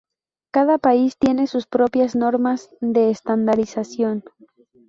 Cada país tiene sus propias normas de estandarización.